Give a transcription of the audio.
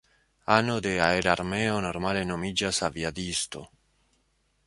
Ano de aerarmeo normale nomiĝas aviadisto.